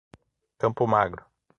Campo Magro